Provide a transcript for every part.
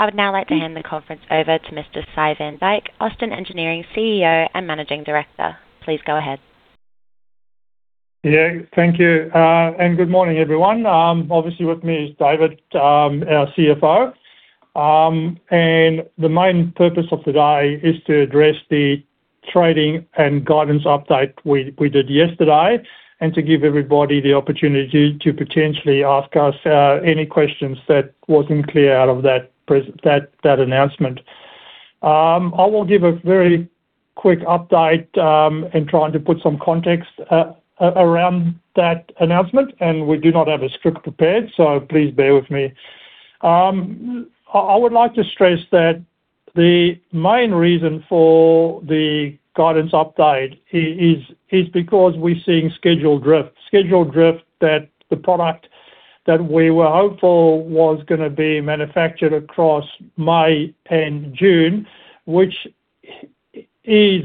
I would now like to hand the conference over to Mr. Sy van Dyk, Austin Engineering CEO and Managing Director. Please go ahead. Yeah. Thank you, and good morning, everyone. Obviously, with me is David, our CFO. The main purpose of today is to address the trading and guidance update we did yesterday and to give everybody the opportunity to potentially ask us any questions that wasn't clear out of that announcement. I will give a very quick update in trying to put some context around that announcement, and we do not have a script prepared, so please bear with me. I would like to stress that the main reason for the guidance update is because we're seeing schedule drift. Schedule drift that the product that we were hopeful was going to be manufactured across May and June, which is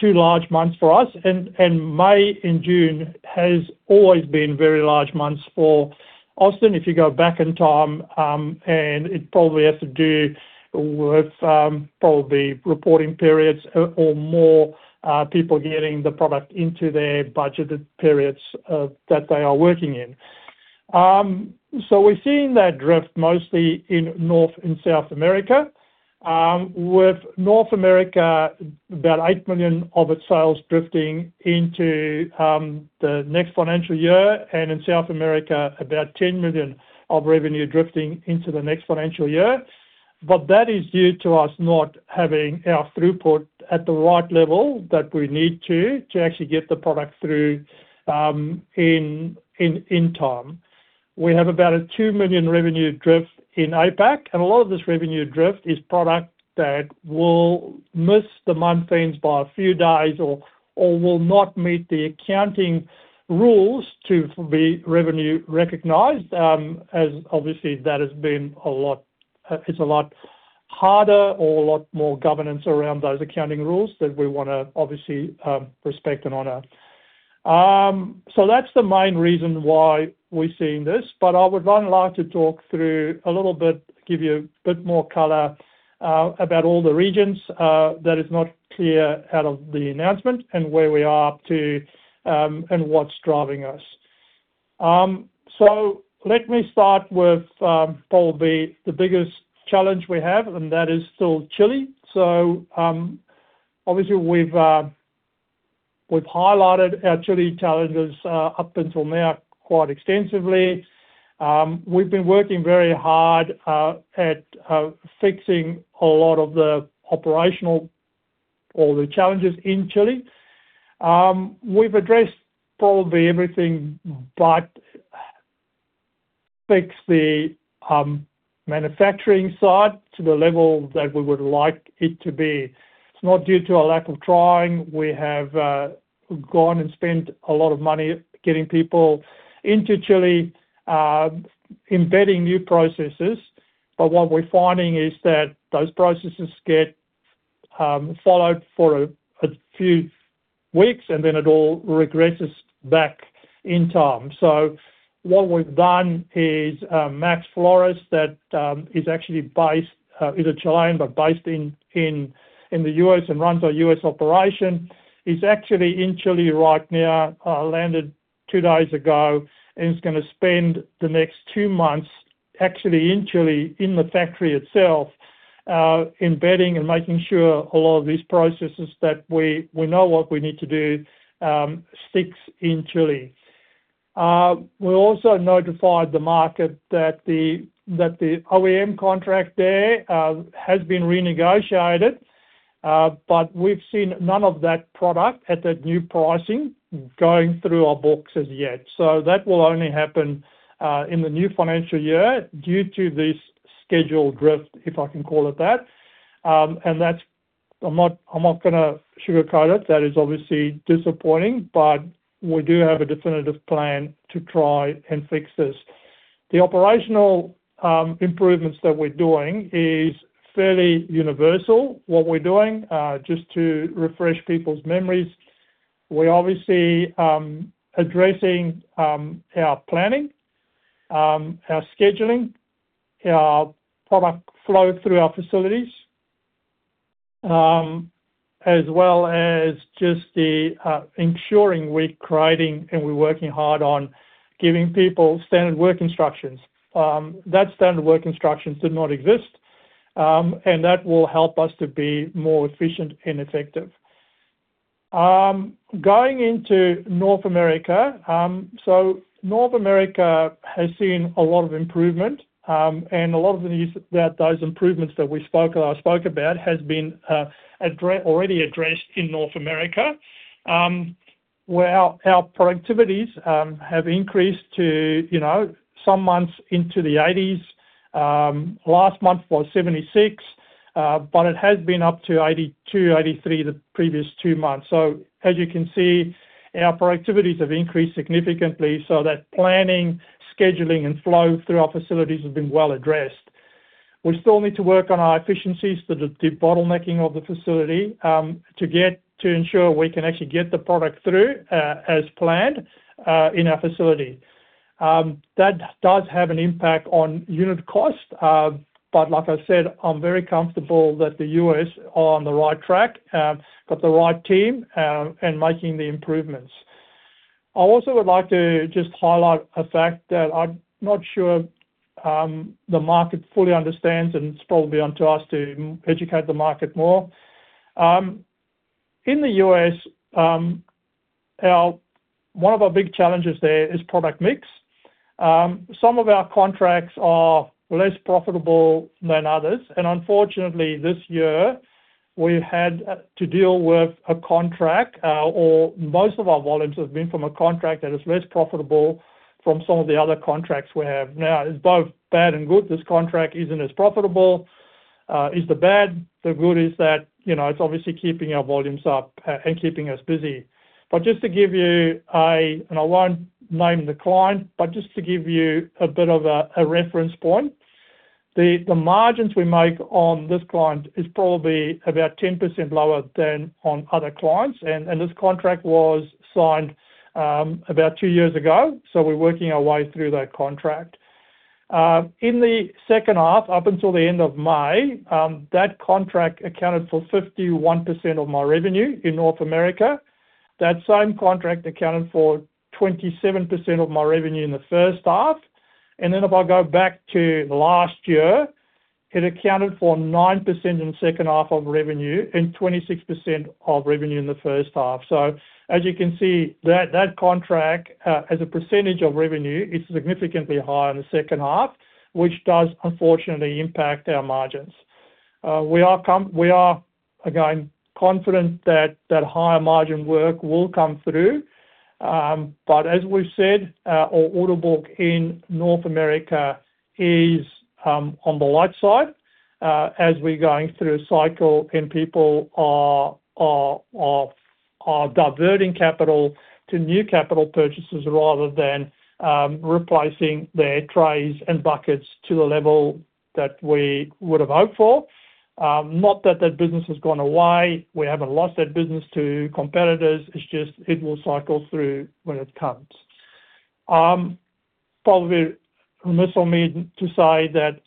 two large months for us, and May and June has always been very large months for Austin, if you go back in time, and it probably has to do with probably reporting periods or more people getting the product into their budgeted periods that they are working in. We're seeing that drift mostly in North and South America. With North America, about 8 million of its sales drifting into the next financial year, and in South America, about 10 million of revenue drifting into the next financial year. That is due to us not having our throughput at the right level that we need to actually get the product through in time. We have about a 2 million revenue drift in APAC, and a lot of this revenue drift is product that will miss the month ends by a few days or will not meet the accounting rules to be revenue recognized, as obviously that is a lot harder or a lot more governance around those accounting rules that we want to obviously respect and honor. That's the main reason why we're seeing this. I would then like to talk through a little bit, give you a bit more color about all the regions that is not clear out of the announcement and where we are up to and what's driving us. Let me start with probably the biggest challenge we have, and that is still Chile. Obviously we've highlighted our Chile challenges up until now quite extensively. We've been working very hard at fixing a lot of the operational or the challenges in Chile. We've addressed probably everything but fix the manufacturing side to the level that we would like it to be. It's not due to a lack of trying. We have gone and spent a lot of money getting people into Chile, embedding new processes. What we're finding is that those processes get followed for a few weeks, and then it all regresses back in time. What we've done is, Max Flores, that is a Chilean but based in the U.S. and runs our U.S. operation, is actually in Chile right now, landed two days ago and is going to spend the next two months actually in Chile, in the factory itself, embedding and making sure a lot of these processes that we know what we need to do, sticks in Chile. We also notified the market that the OEM contract there has been renegotiated, we've seen none of that product at that new pricing going through our books as yet. That will only happen in the new financial year due to this schedule drift, if I can call it that. I'm not going to sugarcoat it. That is obviously disappointing, we do have a definitive plan to try and fix this. The operational improvements that we're doing is fairly universal, what we're doing. Just to refresh people's memories, we're obviously addressing our planning, our scheduling, our product flow through our facilities as well as just the ensuring we're creating and we're working hard on giving people standard work instructions. That standard work instructions did not exist. That will help us to be more efficient and effective. Going into North America. North America has seen a lot of improvement. A lot of the news about those improvements that I spoke about has been already addressed in North America, where our productivities have increased to some months into the 80%s. Last month was 76%. It has been up to 82%, 83% the previous two months. As you can see, our productivities have increased significantly so that planning, scheduling, and flow through our facilities have been well addressed. We still need to work on our efficiencies for the bottlenecking of the facility to ensure we can actually get the product through as planned in our facility. That does have an impact on unit cost. Like I said, I'm very comfortable that the U.S. are on the right track, got the right team, and making the improvements. I also would like to just highlight a fact that I'm not sure the market fully understands, it's probably onto us to educate the market more. In the U.S., one of our big challenges there is product mix. Some of our contracts are less profitable than others. Unfortunately, this year we've had to deal with a contract, or most of our volumes have been from a contract that is less profitable from some of the other contracts we have now. It's both bad and good. This contract isn't as profitable, is the bad. The good is that it's obviously keeping our volumes up and keeping us busy. Just to give you a, I won't name the client, just to give you a bit of a reference point, the margins we make on this client is probably about 10% lower than on other clients. This contract was signed about two years ago, we're working our way through that contract. In the second half, up until the end of May, that contract accounted for 51% of my revenue in North America. That same contract accounted for 27% of my revenue in the first half. Then if I go back to last year, it accounted for 9% in the second half of revenue and 26% of revenue in the first half. As you can see, that contract, as a percentage of revenue, is significantly higher in the second half, which does unfortunately impact our margins. We are, again, confident that higher-margin work will come through. As we've said, our order book in North America is on the light side as we're going through a cycle and people are diverting capital to new capital purchases rather than replacing their trays and buckets to the level that we would have hoped for. Not that that business has gone away. We haven't lost that business to competitors. It's just, it will cycle through when it comes. Probably, amiss of me to say that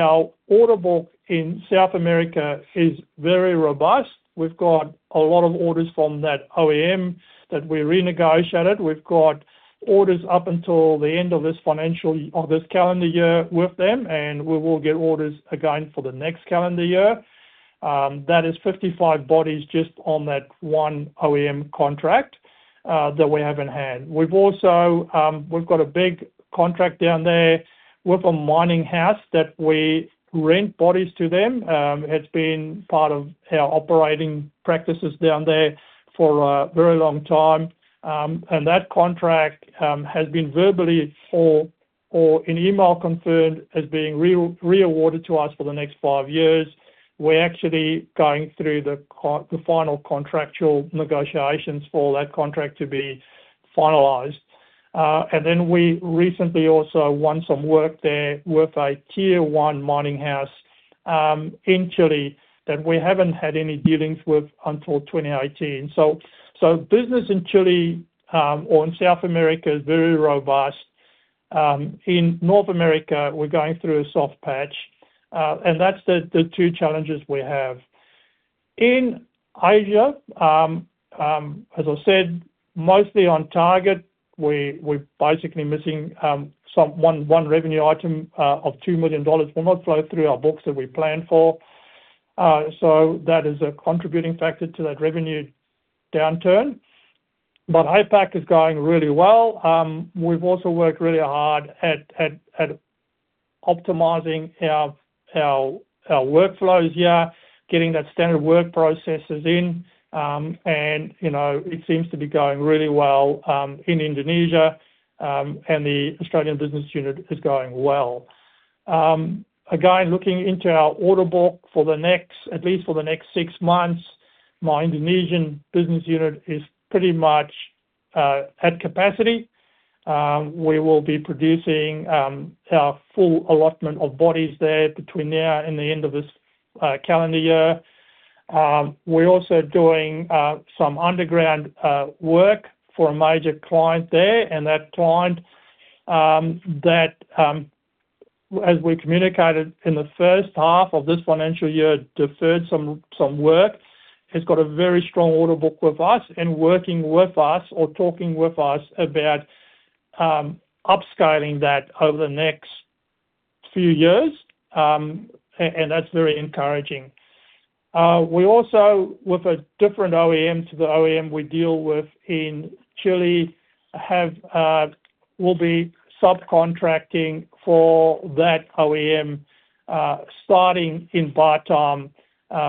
our order book in South America is very robust. We've got a lot of orders from that OEM that we renegotiated. We've got orders up until the end of this calendar year with them, and we will get orders again for the next calendar year. That is 55 bodies just on that one OEM contract that we have in hand. We've got a big contract down there with a mining house that we rent bodies to them. It's been part of our operating practices down there for a very long time. That contract has been verbally or an email confirmed as being re-awarded to us for the next five years. We're actually going through the final contractual negotiations for that contract to be finalized. We recently also won some work there with a Tier 1 mining house in Chile that we haven't had any dealings with until 2018. Business in Chile or in South America is very robust. In North America, we're going through a soft patch. That's the two challenges we have. In Asia, as I said, mostly on target. We're basically missing one revenue item of 2 million dollars will not flow through our books that we planned for. That is a contributing factor to that revenue downturn. APAC is going really well. We've also worked really hard at optimizing our workflows here, getting that standard work processes in. It seems to be going really well in Indonesia. The Australian business unit is going well. Again, looking into our order book at least for the next six months, my Indonesian business unit is pretty much at capacity. We will be producing our full allotment of bodies there between now and the end of this calendar year. We're also doing some underground work for a major client there. That client that, as we communicated in the first half of this financial year, deferred some work, has got a very strong order book with us and working with us or talking with us about upscaling that over the next few years. That's very encouraging. We also, with a different OEM to the OEM we deal with in Chile, will be subcontracting for that OEM, starting in part-time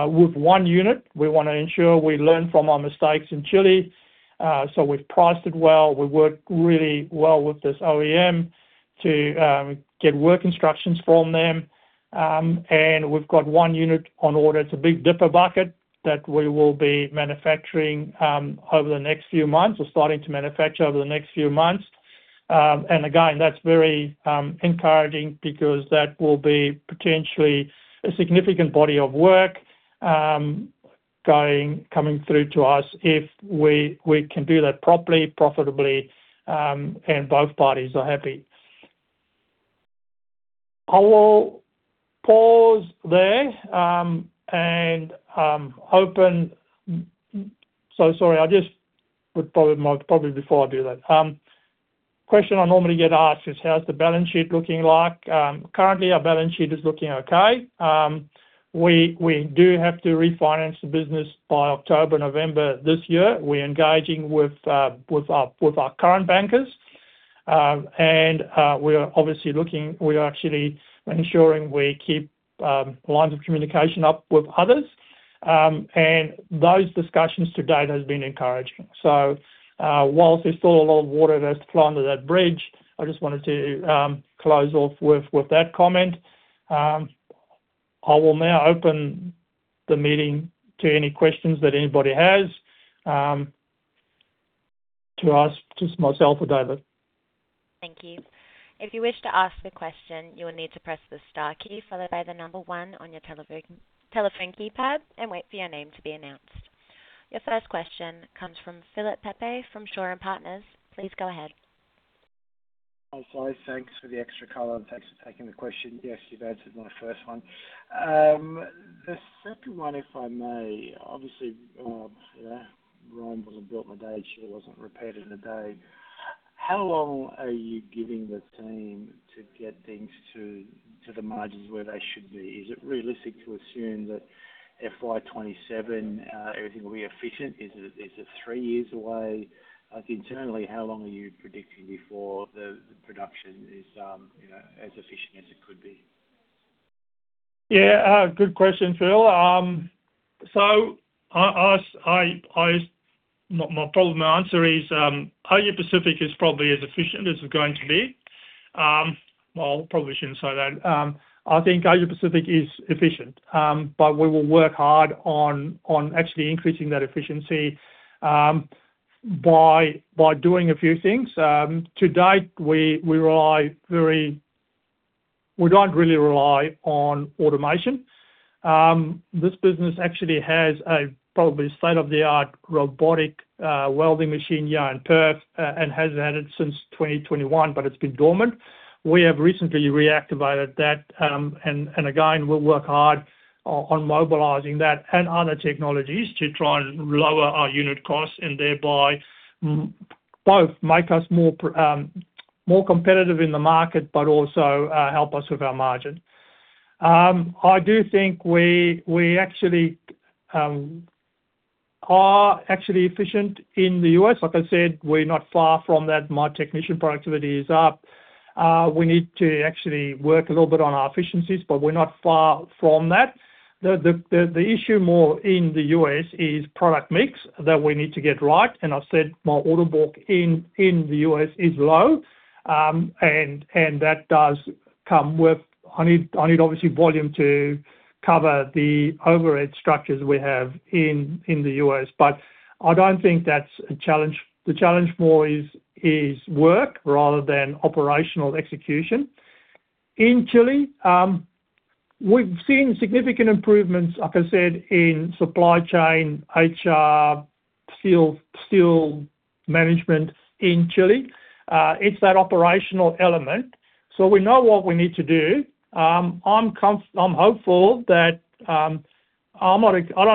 with one unit. We want to ensure we learn from our mistakes in Chile. We've priced it well. We work really well with this OEM to get work instructions from them. We've got one unit on order. It's a big dipper bucket that we will be manufacturing over the next few months or starting to manufacture over the next few months. Again, that's very encouraging because that will be potentially a significant body of work, coming through to us if we can do that properly, profitably, and both parties are happy. I will pause there. Sorry. Probably before I do that. Question I normally get asked is: How's the balance sheet looking like? Currently, our balance sheet is looking okay. We do have to refinance the business by October, November this year. We're engaging with our current bankers. We are actually ensuring we keep lines of communication up with others. Those discussions to date have been encouraging. Whilst there's still a lot of water that has to flow under that bridge, I just wanted to close off with that comment. I will now open the meeting to any questions that anybody has, to ask just myself or David. Thank you. If you wish to ask a question, you will need to press the star key followed by the number one on your telephone keypad and wait for your name to be announced. Your first question comes from Philip Pepe from Shaw and Partners. Please go ahead. Hi, Sy. Thanks for the extra color and thanks for taking the question. Yes, you've answered my first one. The second one, if I may. Obviously, Rome wasn't built in a day, and shit wasn't repaired in a day. How long are you giving the team to get things to the margins where they should be? Is it realistic to assume that FY 2027 everything will be efficient? Is it three years away? Internally, how long are you predicting before the production is as efficient as it could be? Good question, Phil. Probably my answer is, Asia Pacific is probably as efficient as it's going to be. Well, I probably shouldn't say that. I think Asia Pacific is efficient. We will work hard on actually increasing that efficiency by doing a few things. To date, we don't really rely on automation. This business actually has a probably state-of-the-art robotic welding machine here in Perth, and has had it since 2021, but it's been dormant. We have recently reactivated that. Again, we'll work hard on mobilizing that and other technologies to try and lower our unit costs and thereby both make us more competitive in the market, but also help us with our margin. I do think we are actually efficient in the U.S. Like I said, we're not far from that. My technician productivity is up. We need to actually work a little bit on our efficiencies, but we're not far from that. The issue more in the U.S. is product mix that we need to get right. I've said my order book in the U.S. is low. That does come with, I need obviously volume to cover the overhead structures we have in the U.S. I don't think that's a challenge. The challenge more is work rather than operational execution. In Chile, we've seen significant improvements, like I said, in supply chain, HR, steel management in Chile. It's that operational element. We know what we need to do. I don't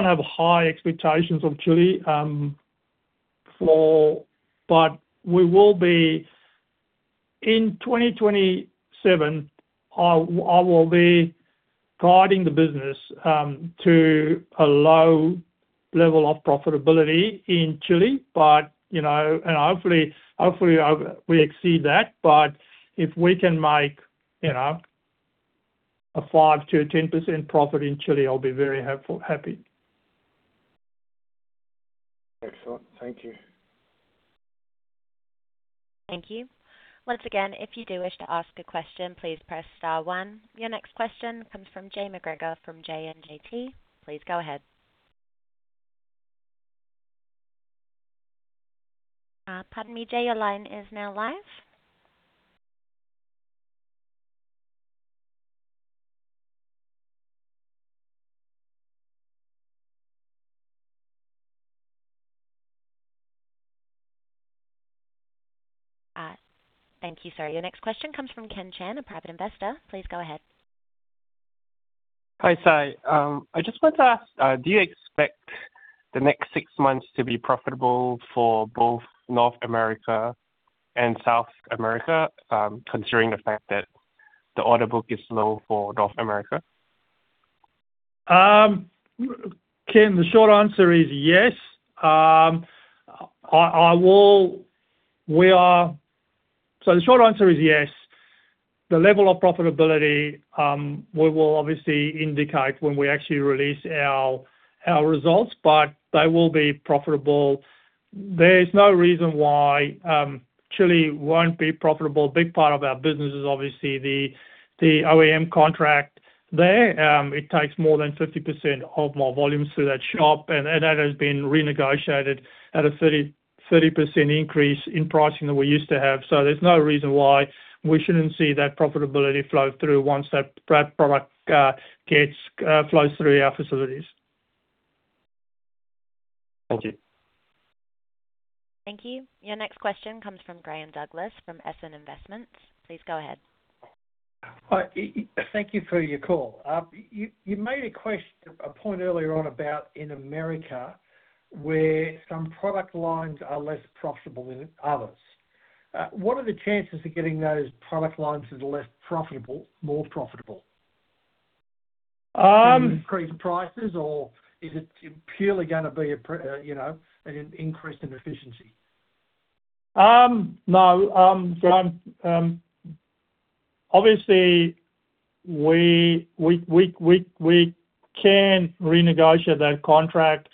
have high expectations of Chile. We will be in 2027, I will be guiding the business to a low level of profitability in Chile. Hopefully, we exceed that. If we can make a 5%-10% profit in Chile, I'll be very happy. Excellent. Thank you. Thank you. Once again, if you do wish to ask a question, please press star one. Your next question comes from Jay MacGregor from JMJT. Please go ahead. Pardon me. Jay, your line is now live. Thank you. Sorry. Your next question comes from Ken Chen, a private investor. Please go ahead. Hi, Sy. I just want to ask, do you expect the next six months to be profitable for both North America and South America, considering the fact that the order book is low for North America? Ken, the short answer is yes. The short answer is yes. The level of profitability, we will obviously indicate when we actually release our results, but they will be profitable. There's no reason why Chile won't be profitable. A big part of our business is obviously the OEM contract there. It takes more than 50% of my volumes through that shop, and that has been renegotiated at a 30% increase in pricing than we used to have. There's no reason why we shouldn't see that profitability flow through once that product flows through our facilities. Thank you. Thank you. Your next question comes from Graham Douglas from Esson Investments. Please go ahead. Hi. Thank you for your call. You made a point earlier on about in America where some product lines are less profitable than others. What are the chances of getting those product lines that are less profitable, more profitable? Um- Is it increased prices or is it purely going to be an increase in efficiency? No. Obviously, we can renegotiate that contract,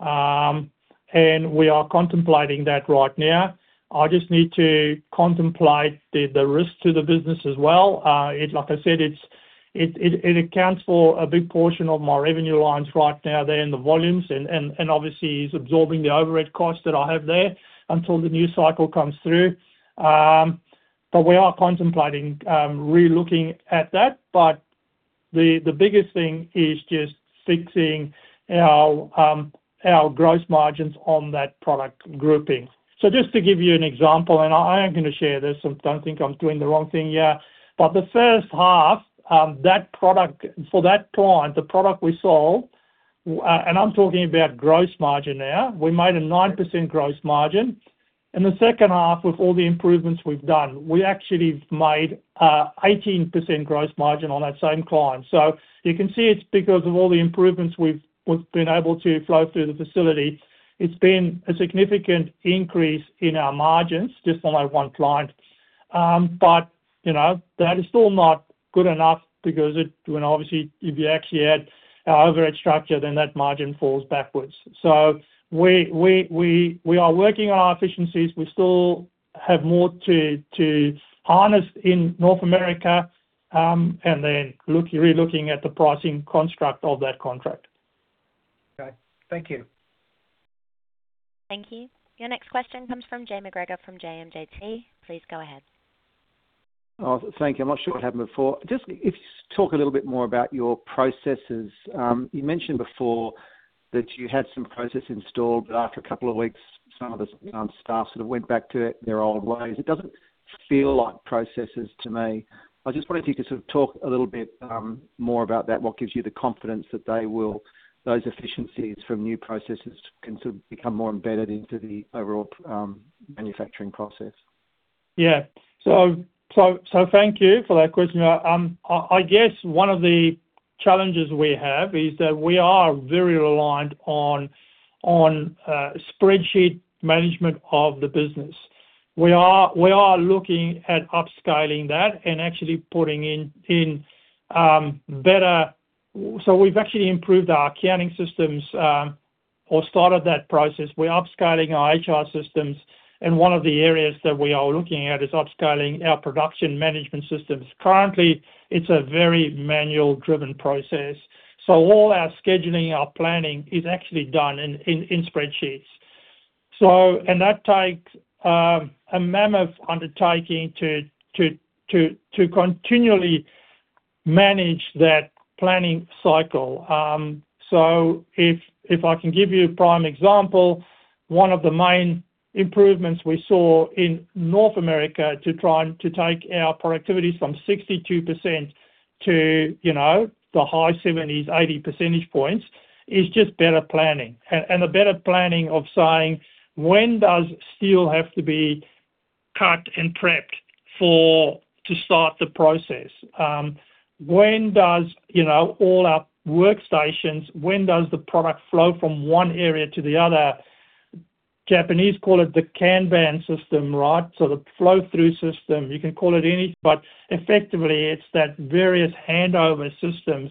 and we are contemplating that right now. I just need to contemplate the risk to the business as well. Like I said, it accounts for a big portion of my revenue lines right now there in the volumes and obviously is absorbing the overhead costs that I have there until the new cycle comes through. We are contemplating relooking at that. The biggest thing is just fixing our gross margins on that product grouping. Just to give you an example, and I am going to share this. I don't think I'm doing the wrong thing here. The first half, for that client, the product we sold, and I'm talking about gross margin now, we made a 9% gross margin. In the second half with all the improvements we've done, we actually made an 18% gross margin on that same client. You can see it's because of all the improvements we've been able to flow through the facility. It's been a significant increase in our margins just on that one client. That is still not good enough because, obviously, if you actually add our overhead structure, then that margin falls backwards. We are working on our efficiencies. We still have more to harness in North America, and then relooking at the pricing construct of that contract. Okay. Thank you. Thank you. Your next question comes from Jay MacGregor from JMJT. Please go ahead. Thank you. I am not sure what happened before. Just if you talk a little bit more about your processes. You mentioned before that you had some processes installed, but after a couple of weeks, some of the staff sort of went back to their old ways. It does not feel like processes to me. I just wanted you to sort of talk a little bit more about that. What gives you the confidence that those efficiencies from new processes can become more embedded into the overall manufacturing process? Thank you for that question. I guess one of the challenges we have is that we are very reliant on spreadsheet management of the business. We are looking at upscaling that and actually putting in better. We've actually improved our accounting systems or started that process. We're upscaling our HR systems, and one of the areas that we are looking at is upscaling our production management systems. Currently, it's a very manual-driven process. All our scheduling, our planning is actually done in spreadsheets. That takes a mammoth undertaking to continually manage that planning cycle. If I can give you a prime example, one of the main improvements we saw in North America to try to take our productivity from 62% to the high 70 percentage points-80 percentage points, is just better planning. The better planning of saying when does steel have to be cut and prepped to start the process? All our workstations, when does the product flow from one area to the other? Japanese call it the kanban system. The flow-through system. You can call it anything, but effectively, it's that various handover systems.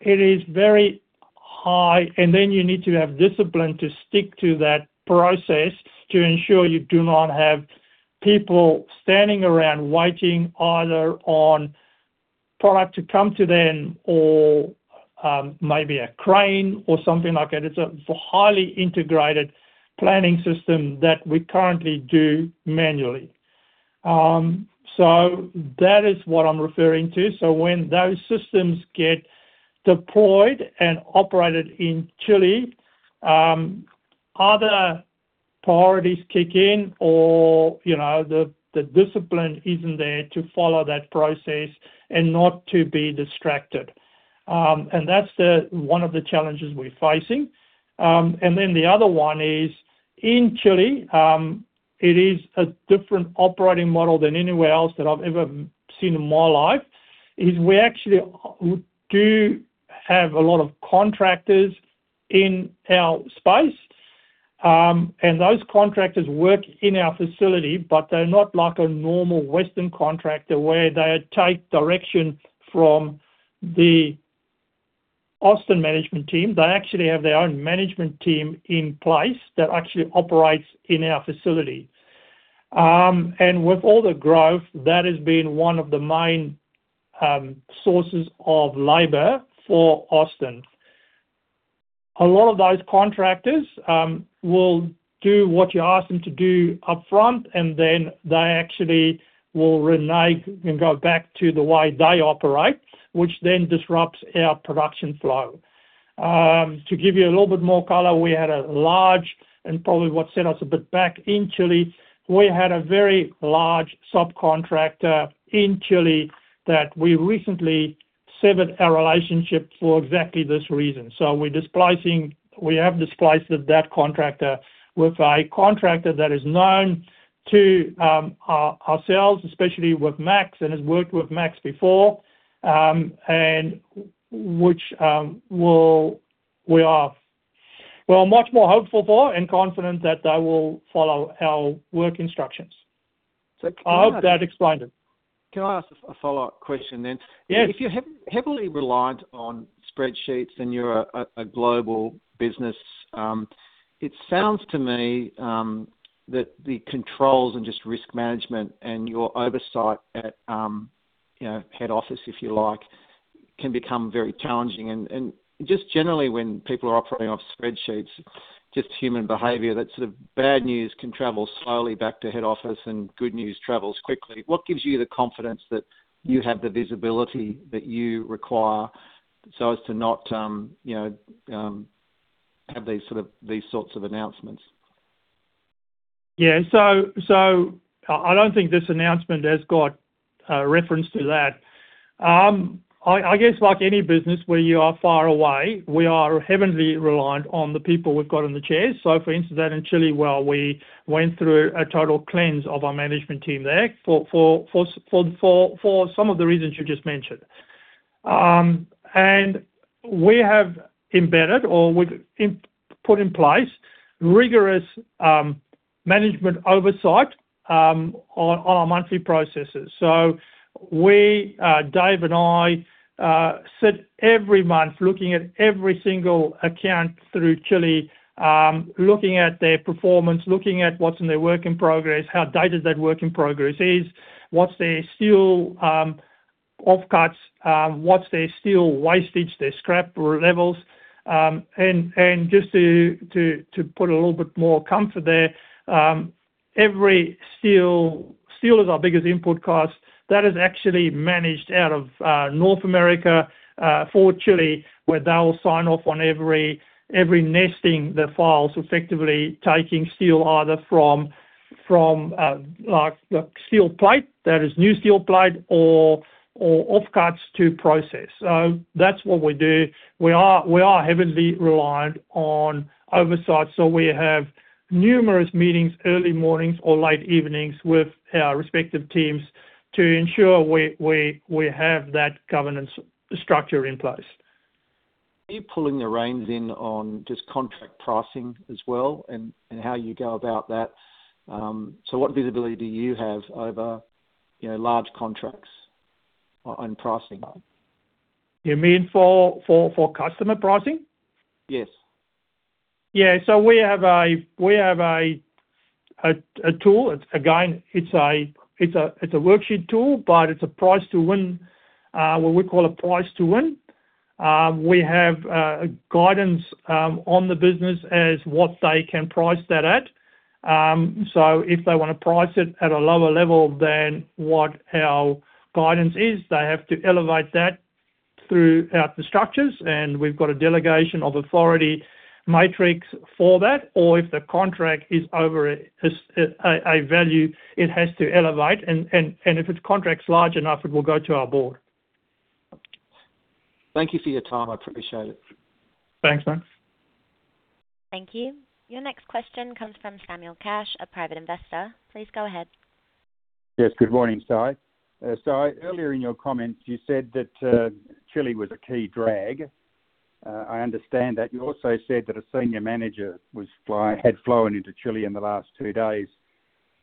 It is very high. You need to have discipline to stick to that process to ensure you do not have people standing around waiting either on product to come to them or maybe a crane or something like that. It's a highly integrated planning system that we currently do manually. That is what I'm referring to. When those systems get deployed and operated in Chile, other priorities kick in or the discipline isn't there to follow that process and not to be distracted. That's one of the challenges we're facing. The other one is, in Chile, it is a different operating model than anywhere else that I've ever seen in my life. It actually do have a lot of contractors in our space. Those contractors work in our facility, but they're not like a normal Western contractor where they take direction from the Austin management team. They actually have their own management team in place that actually operates in our facility. And with all the growth, that has been one of the main sources of labor for Austin. A lot of those contractors will do what you ask them to do upfront, and then they actually will renege and go back to the way they operate, which then disrupts our production flow. To give you a little bit more color, we had a large, and probably what set us a bit back in Chile, we had a very large subcontractor in Chile that we recently severed our relationship for exactly this reason. We have displaced that contractor with a contractor that is known to ourselves, especially with Max, and has worked with Max before, and which we are much more hopeful for and confident that they will follow our work instructions. Can I- I hope that explained it. Can I ask a follow-up question? Yes. If you're heavily reliant on spreadsheets and you're a global business, it sounds to me that the controls and just risk management and your oversight at head office, if you like, can become very challenging. Generally when people are operating off spreadsheets, just human behavior, that sort of bad news can travel slowly back to head office and good news travels quickly. What gives you the confidence that you have the visibility that you require so as to not have these sorts of announcements? I don't think this announcement has got a reference to that. I guess like any business where you are far away, we are heavily reliant on the people we've got in the chairs. For instance, then in Chile, we went through a total cleanse of our management team there for some of the reasons you just mentioned. We have embedded, or we've put in place rigorous management oversight, on our monthly processes. We, Dave and I, sit every month looking at every single account through Chile, looking at their performance, looking at what's in their work in progress, how dated that work in progress is, what's their steel offcuts, what's their steel wastage, their scrap levels. Just to put a little bit more comfort there, steel is our biggest input cost. That is actually managed out of North America for Chile, where they will sign off on every nesting the files, effectively taking steel either from steel plate, that is new steel plate or offcuts to process. That's what we do. We are heavily reliant on oversight, we have numerous meetings, early mornings or late evenings with our respective teams to ensure we have that governance structure in place. Are you pulling the reins in on just contract pricing as well and how you go about that? What visibility do you have over large contracts on pricing? You mean for customer pricing? Yes. Yeah. We have a tool. Again, it's a worksheet tool, but it's a price to win, what we call a price to win. We have guidance on the business as what they can price that at. If they want to price it at a lower level than what our guidance is, they have to elevate that throughout the structures, and we've got a delegation of authority matrix for that. If the contract is over a value, it has to elevate, and if the contract's large enough, it will go to our board. Thank you for your time. I appreciate it. Thanks, man. Thank you. Your next question comes from Samuel Cash, a private investor. Please go ahead. Yes, good morning, Sy. Sy, earlier in your comments, you said that Chile was a key drag. I understand that. You also said that a senior manager had flown into Chile in the last two days.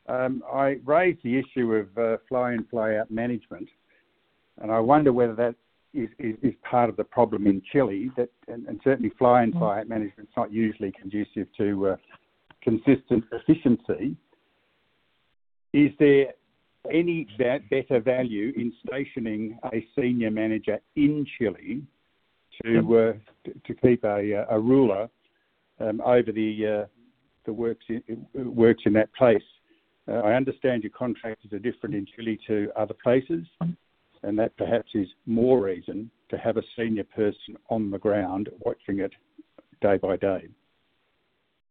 I raised the issue of fly-in-fly-out management, and I wonder whether that is part of the problem in Chile. Certainly fly-in-fly-out management is not usually conducive to consistent efficiency. Is there any better value in stationing a senior manager in Chile to keep a ruler over the works in that place? I understand your contracts are different in Chile to other places, and that perhaps is more reason to have a senior person on the ground watching it day by day.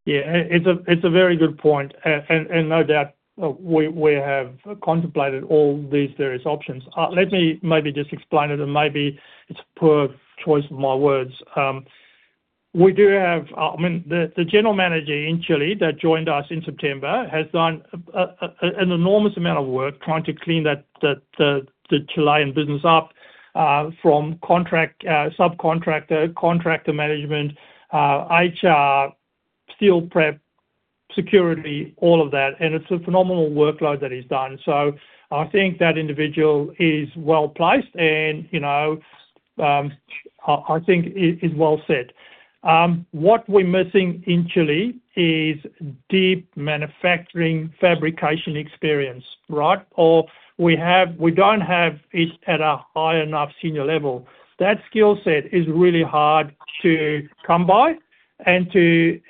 It's a very good point, no doubt we have contemplated all these various options. Let me maybe just explain it, and maybe it's poor choice of my words. The general manager in Chile that joined us in September has done an enormous amount of work trying to clean the Chilean business up, from subcontractor, contractor management, HR, steel prep, security, all of that. It's a phenomenal workload that he's done. I think that individual is well-placed and I think is well set. What we're missing in Chile is deep manufacturing fabrication experience, right? Or we don't have it at a high enough senior level. That skill set is really hard to come by to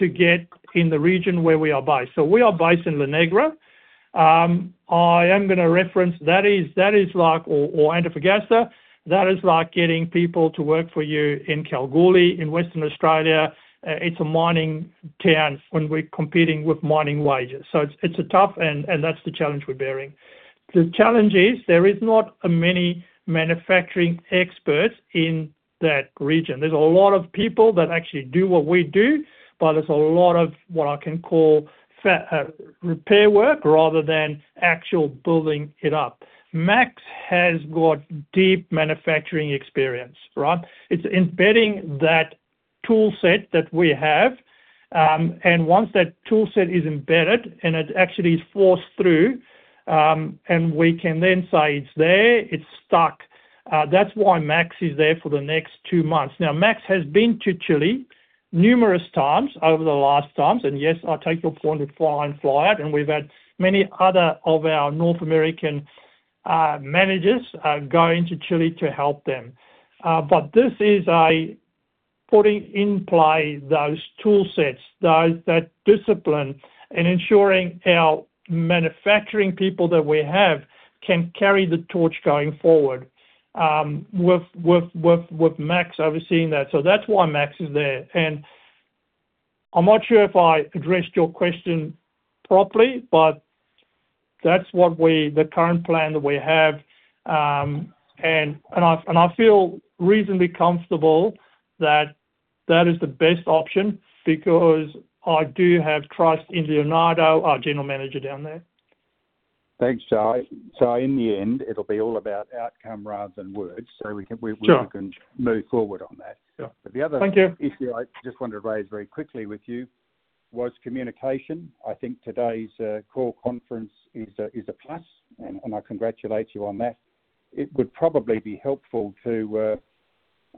get in the region where we are based. We are based in La Negra. I am going to reference that is like or Antofagasta, that is like getting people to work for you in Kalgoorlie, in Western Australia. It's a mining town. When we're competing with mining wages. It's tough and that's the challenge we're bearing. The challenge is there is not many manufacturing experts in that region. There's a lot of people that actually do what we do, but there's a lot of what I can call repair work rather than actual building it up. Max has got deep manufacturing experience, right? It's embedding that tool set that we have, and once that tool set is embedded and it actually is forced through, and we can then say, "It's there, it's stuck." That's why Max is there for the next two months. Max has been to Chile numerous times over the last times, yes, I take your point of fly in, fly out, and we've had many other of our North American managers going to Chile to help them. This is a putting in play those tool sets, that discipline and ensuring our manufacturing people that we have can carry the torch going forward, with Max overseeing that. That's why Max is there. I'm not sure if I addressed your question properly, but that's the current plan that we have. I feel reasonably comfortable that that is the best option because I do have trust in Leonardo, our general manager down there. Thanks, Sy. Sy, in the end, it'll be all about outcome rather than words. Sure. We can move forward on that. Yeah. Thank you. The other issue I just wanted to raise very quickly with you was communication. I think today's call conference is a plus, and I congratulate you on that. It would probably be helpful to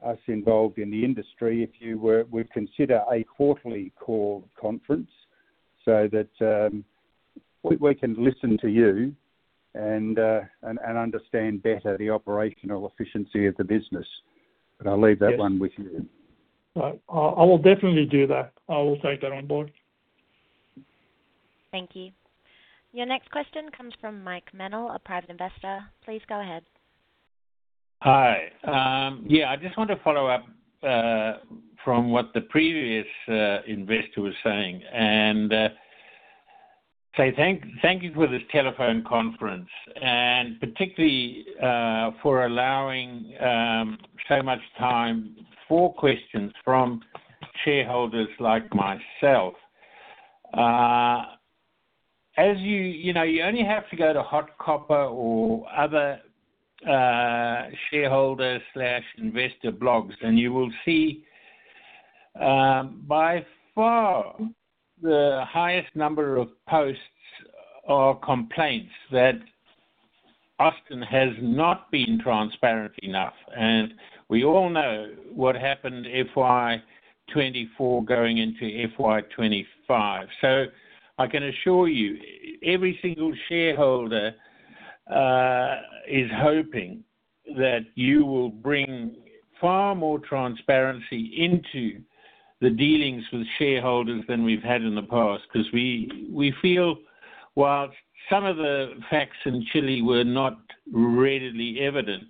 us involved in the industry if you would consider a quarterly call conference so that we can listen to you and understand better the operational efficiency of the business. I'll leave that one with you. Right. I will definitely do that. I will take that on board. Thank you. Your next question comes from Mike Mennel, a private investor. Please go ahead. Hi. Yeah, I just want to follow up from what the previous investor was saying and say thank you for this telephone conference, and particularly, for allowing so much time for questions from shareholders like myself. As you know, you only have to go to HotCopper or other shareholder/investor blogs, you will see, by far the highest number of posts are complaints that Austin has not been transparent enough. We all know what happened FY 2024 going into FY 2025. I can assure you, every single shareholder is hoping that you will bring far more transparency into the dealings with shareholders than we've had in the past. We feel whilst some of the facts in Chile were not readily evident,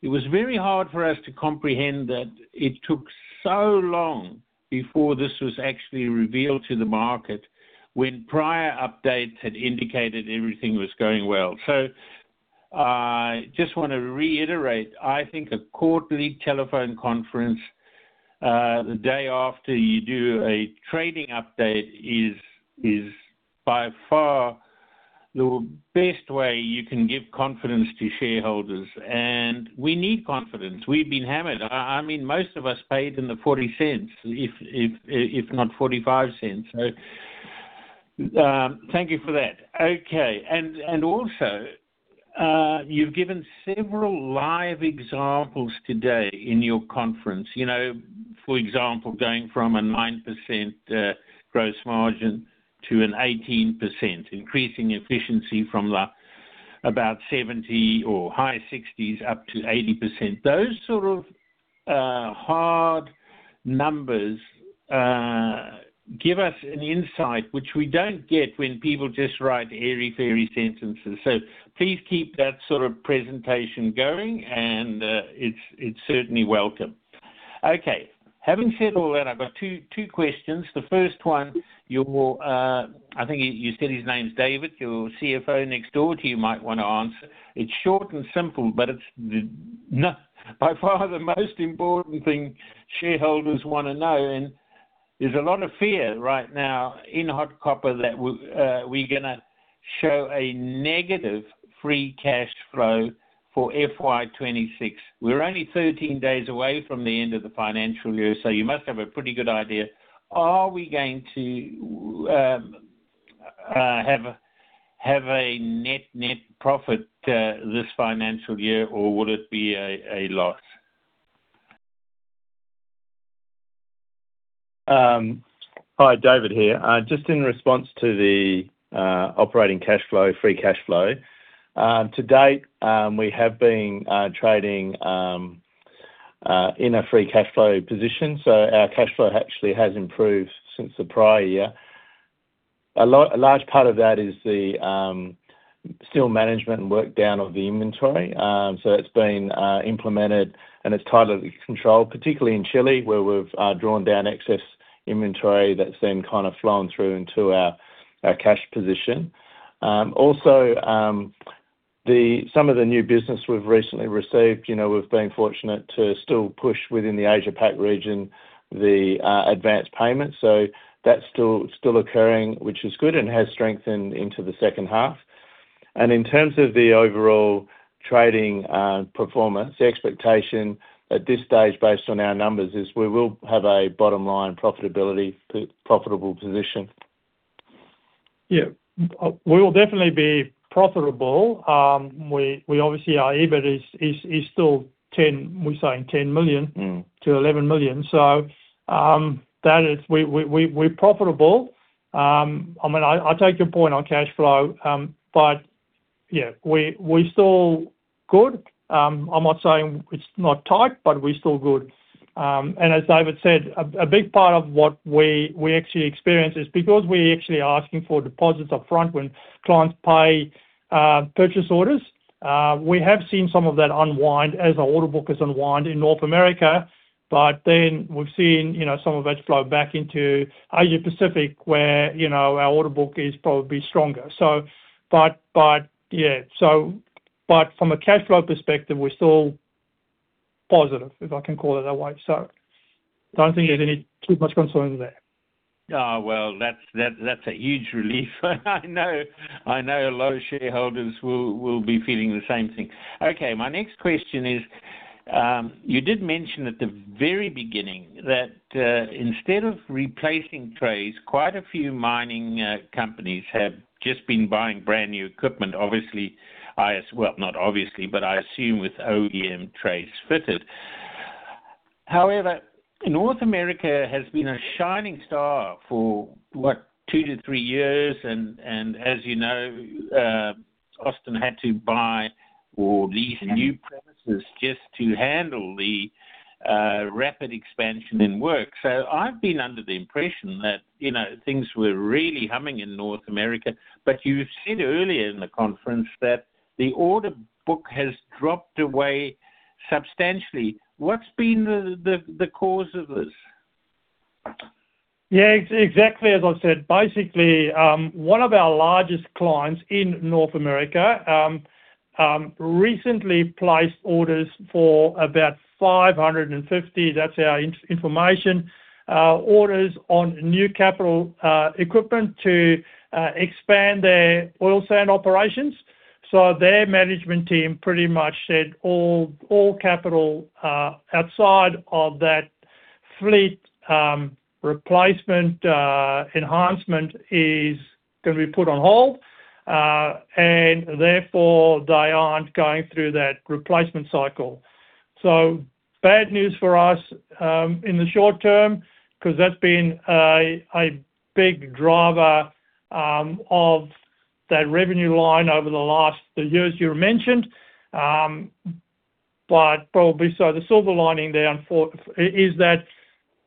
it was very hard for us to comprehend that it took so long before this was actually revealed to the market when prior updates had indicated everything was going well. I just want to reiterate, I think a quarterly telephone conference, the day after you do a trading update is by far the best way you can give confidence to shareholders. We need confidence. We've been hammered. Most of us paid in the 0.40, if not 0.45. Thank you for that. Okay. Also, you've given several live examples today in your conference. For example, going from a 9% gross margin to an 18%, increasing efficiency from about 70% or high 60%s up to 80%. Those sort of hard numbers give us an insight, which we don't get when people just write airy-fairy sentences. Please keep that sort of presentation going and it's certainly welcome. Okay. Having said all that, I've got two questions. The first one, I think you said his name's David, your CFO next door to you might want to answer. It's short and simple, but it's by far the most important thing shareholders want to know, and there's a lot of fear right now in HotCopper that we're going to show a negative free cash flow for FY 2026. We're only 13 days away from the end of the financial year, you must have a pretty good idea. Are we going to have a net profit, this financial year, or will it be a loss? Hi, David here. Just in response to the operating cash flow, free cash flow. To date, we have been trading in a free cash flow position. Our cash flow actually has improved since the prior year. A large part of that is the steel management and work down of the inventory. It's been implemented and it's tightly controlled, particularly in Chile, where we've drawn down excess inventory that's then kind of flown through into our cash position. Also some of the new business we've recently received, we've been fortunate to still push within the Asia Pac region, the advanced payment. That's still occurring, which is good and has strengthened into the second half. In terms of the overall trading performance, the expectation at this stage based on our numbers is we will have a bottom-line profitability, profitable position. Yeah. We will definitely be profitable. Our EBIT is still 10 million, we're saying 10 million-11 million. We're profitable. I take your point on cash flow, yeah, we're still good. I'm not saying it's not tight, we're still good. As David said, a big part of what we actually experience is because we actually are asking for deposits up front when clients pay purchase orders. We have seen some of that unwind as our order book has unwind in North America. We've seen some of that flow back into Asia Pacific where our order book is probably stronger. From a cash flow perspective, we're still positive, if I can call it that way. Don't think there's too much concern there. Oh, well, that's a huge relief. I know a lot of shareholders will be feeling the same thing. Okay. My next question is, you did mention at the very beginning that, instead of replacing trays, quite a few mining companies have just been buying brand-new equipment. Obviously, well, not obviously, I assume with OEM trays fitted. However, North America has been a shining star for what, two to three years and as you know, Austin had to buy all these new premises just to handle the rapid expansion in work. I've been under the impression that things were really humming in North America. You said earlier in the conference that the order book has dropped away substantially. What's been the cause of this? Yeah, exactly as I said. Basically, one of our largest clients in North America recently placed orders for about 550, that's our information, orders on new capital equipment to expand their oil sands operations. Their management team pretty much said all capital outside of that fleet replacement enhancement is going to be put on hold. Therefore they aren't going through that replacement cycle. Bad news for us, in the short term, because that's been a big driver of that revenue line over the last years you mentioned. The silver lining there is that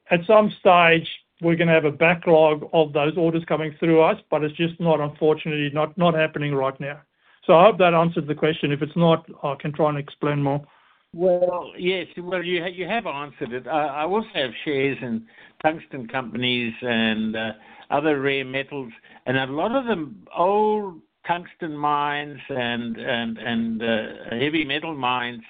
at some stage we're going to have a backlog of those orders coming through us, it's just not, unfortunately, not happening right now. I hope that answered the question. If it's not, I can try and explain more. Yes. You have answered it. I also have shares in tungsten companies and other rare metals and a lot of them old tungsten mines and heavy metal mines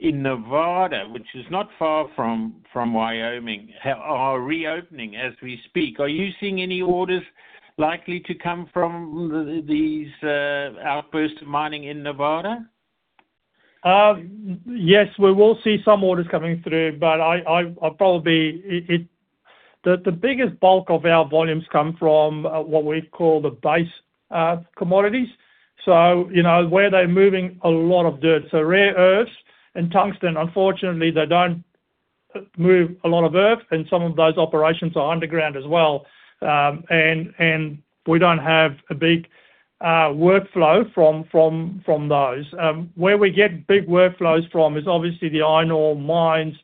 in Nevada, which is not far from Wyoming, are reopening as we speak. Are you seeing any orders likely to come from these outbursts of mining in Nevada? Yes, we will see some orders coming through. The biggest bulk of our volumes come from what we call the base commodities, where they're moving a lot of dirt. Rare earths and tungsten, unfortunately, they don't move a lot of earth, and some of those operations are underground as well. We don't have a big workflow from those. Where we get big workflows from is obviously the iron ore mines,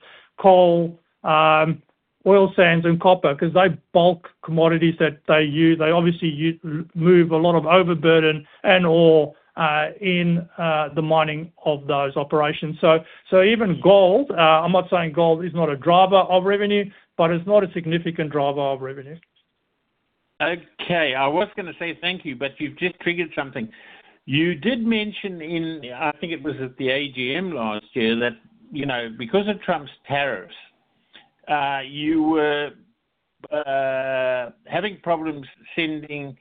coal, oil sands, and copper because they're bulk commodities that they obviously move a lot of overburden and ore in the mining of those operations. Even gold, I'm not saying gold is not a driver of revenue, but it's not a significant driver of revenue. Okay. I was going to say thank you. You've just triggered something. You did mention in, I think it was at the AGM last year, that because of Trump's tariffs, you were having problems sending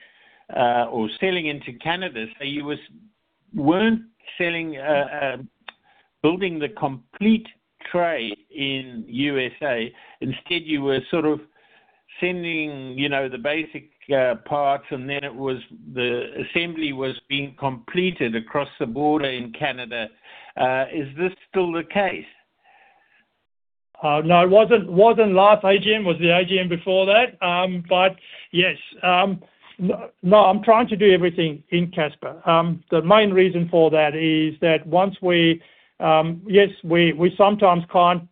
or selling into Canada. You weren't building the complete tray in U.S.A. Instead, you were sort of sending the basic parts and then the assembly was being completed across the border in Canada. Is this still the case? No, it wasn't last AGM, it was the AGM before that. Yes. I'm trying to do everything in Casper. The main reason for that is that we sometimes can't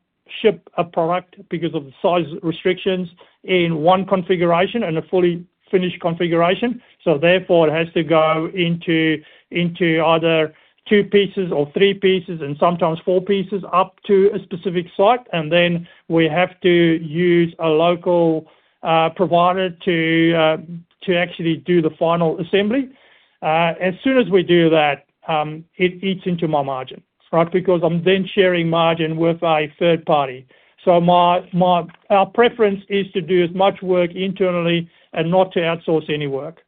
ship a product because of the size restrictions in one configuration, in a fully finished configuration. It has to go into either two pieces or three pieces and sometimes four pieces up to a specific site, and then we have to use a local provider to actually do the final assembly. As soon as we do that, it eats into my margin, right? I'm then sharing margin with a third party. Our preference is to do as much work internally and not to outsource any work.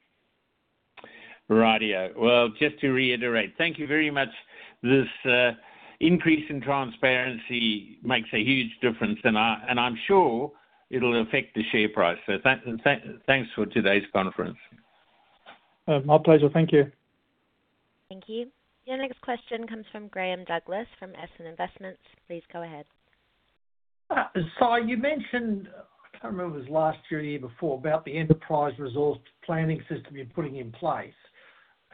Righty-o. Well, just to reiterate, thank you very much. This increase in transparency makes a huge difference, and I'm sure it'll affect the share price. Thanks for today's conference. My pleasure. Thank you. Thank you. Your next question comes from Graham Douglas from Esson Investments. Please go ahead. Hi. Sy, you mentioned, I can't remember if it was last year or the year before, about the enterprise resource planning system you're putting in place.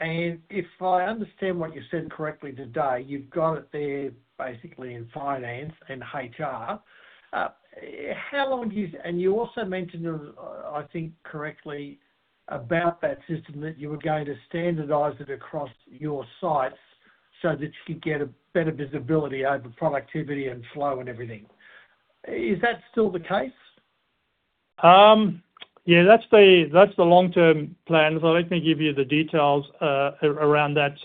If I understand what you said correctly today, you've got it there basically in finance and HR. You also mentioned, I think correctly, about that system that you were going to standardize it across your sites so that you could get a better visibility over productivity and flow and everything. Is that still the case? Yeah, that's the long-term plan. Let me give you the details around that.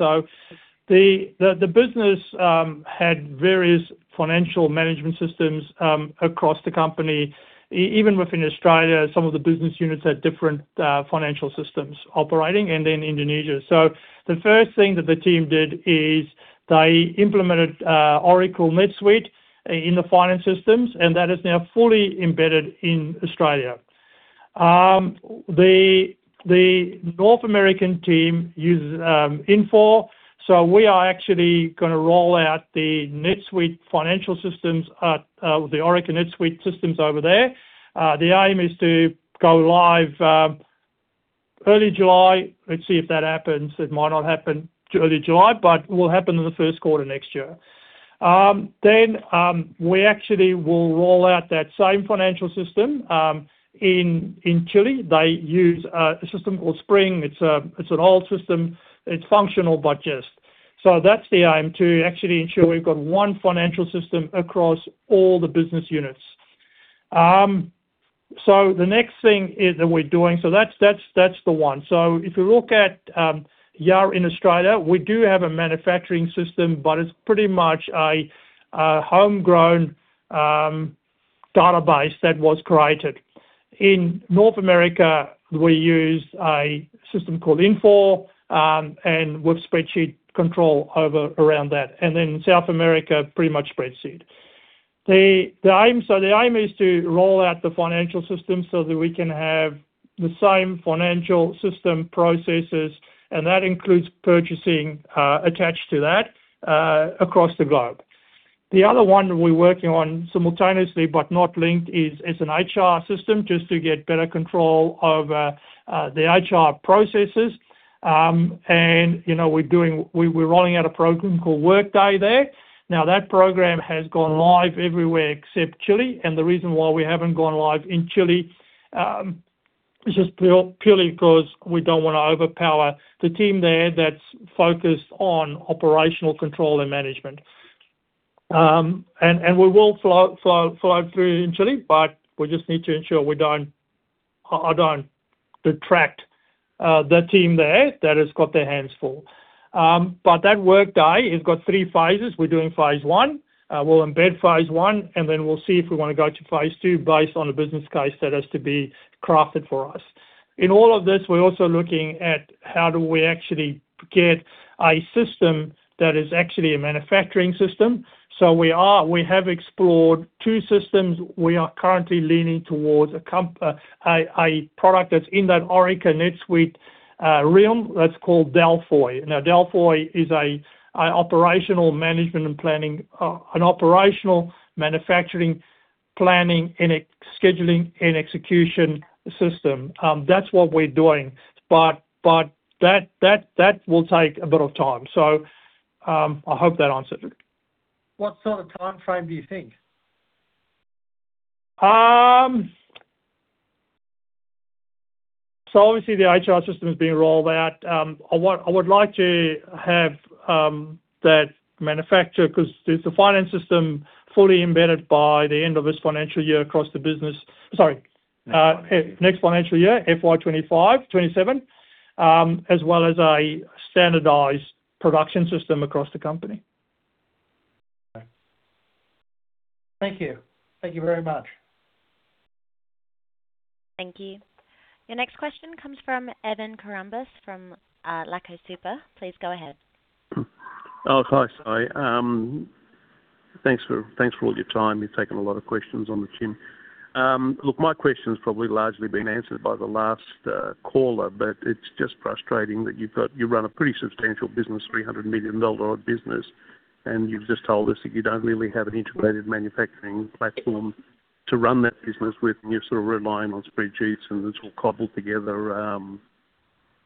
The business had various financial management systems across the company. Even within Australia, some of the business units had different financial systems operating and in Indonesia. The first thing that the team did is they implemented Oracle NetSuite in the finance systems, and that is now fully embedded in Australia. The North American team uses Infor. We are actually going to roll out the Oracle NetSuite systems over there. The aim is to go live early July. Let's see if that happens. It might not happen early July, but will happen in the first quarter next year. Then we actually will roll out that same financial system in Chile. They use a system called Spring. It's an old system. It's functional, but just. That's the aim to actually ensure we've got one financial system across all the business units. The next thing that we're doing-- That's the one. If you look at YAR in Australia, we do have a manufacturing system, but it's pretty much a homegrown database that was created. In North America, we use a system called Infor, and with spreadsheet control around that. South America, pretty much spreadsheet. The aim is to roll out the financial system so that we can have the same financial system processes, and that includes purchasing attached to that across the globe. The other one we're working on simultaneously, but not linked is an HR system just to get better control of the HR processes. We're rolling out a program called Workday there. That program has gone live everywhere except Chile. The reason why we haven't gone live in Chile is just purely because we don't want to overpower the team there that's focused on operational control and management. We will flow through in Chile, but we just need to ensure I don't detract the team there that has got their hands full. That Workday has got three phases. We're doing phase I. We'll embed phase I, and then we'll see if we want to go to phase II based on a business case that has to be crafted for us. In all of this, we're also looking at how do we actually get a system that is actually a manufacturing system. We have explored two systems. We are currently leaning towards a product that's in that Oracle NetSuite realm that's called Delfoi. Delfoi is an operational manufacturing planning and scheduling and execution system. That's what we're doing. That will take a bit of time. I hope that answers it. What sort of timeframe do you think? The HR system is being rolled out. I would like to have that manufacture, because it's a finance system fully embedded by the end of this financial year across the business. Sorry. Next financial year. Next financial year, FY 2025, 2027 as well as a standardized production system across the company. Okay. Thank you. Thank you very much. Thank you. Your next question comes from Evan Kourambas from Lako. [inaudible] Please go ahead. Oh, hi Sy. Thanks for all your time. You've taken a lot of questions on the chin. Look, my question has probably largely been answered by the last caller, but it's just frustrating that you run a pretty substantial business, 300 million dollar business, and you've just told us that you don't really have an integrated manufacturing platform to run that business with, and you're sort of relying on spreadsheets, and it's all cobbled together,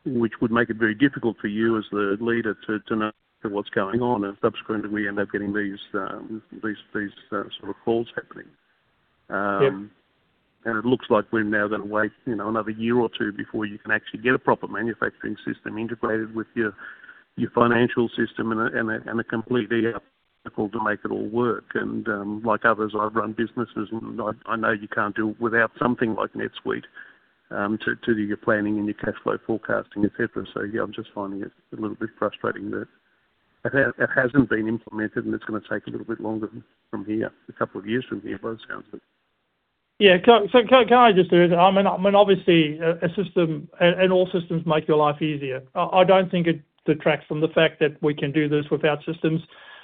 which would make it very difficult for you as the leader to know what's going on, and subsequently, we end up getting these sort of calls happening. Yep. It looks like we're now going to wait another year or two before you can actually get a proper manufacturing system integrated with your financial system and a complete to make it all work. Like others, I've run businesses, and I know you can't do it without something like NetSuite to do your planning and your cash flow forecasting, et cetera. Yeah, I'm just finding it a little bit frustrating that it hasn't been implemented and it's going to take a little bit longer from here, a couple of years from here, by the sounds of it. Yeah. Can I just, I mean, obviously, all systems make your life easier. I don't think it detracts from the fact that we can do this without systems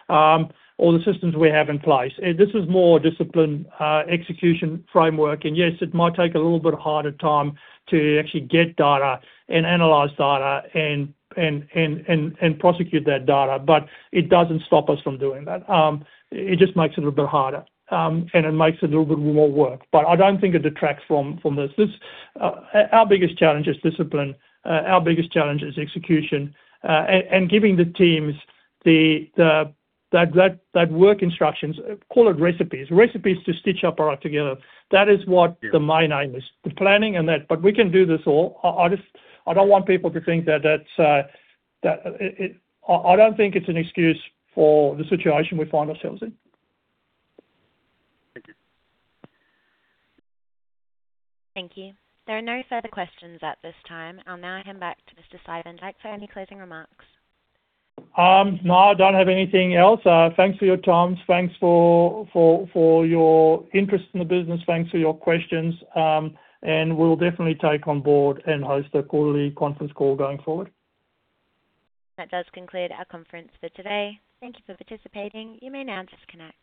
or the systems we have in place. This is more discipline execution framework. Yes, it might take a little bit harder time to actually get data and analyze data and prosecute that data. It doesn't stop us from doing that. It just makes it a little bit harder, and it makes it a little bit more work. I don't think it detracts from this. Our biggest challenge is discipline. Our biggest challenge is execution. Giving the teams the work instructions, call it recipes to stitch up our act together. That is what the main aim is. The planning and that. We can do this all. I don't think it's an excuse for the situation we find ourselves in. Thank you. Thank you. There are no further questions at this time. I'll now hand back to Mr. Sy van Dyk for any closing remarks. No, I don't have anything else. Thanks for your time. Thanks for your interest in the business. Thanks for your questions. We'll definitely take on board and host a quarterly conference call going forward. That does conclude our conference for today. Thank you for participating. You may now disconnect.